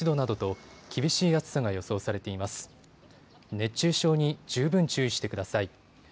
熱中症に十分注意してください。